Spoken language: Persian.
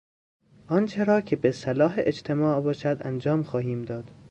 آنچه را که به صلاح اجتماع باشد انجام خواهیم داد.